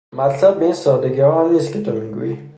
مطلب باین سادگی ها هم نیست که تو میگوئی.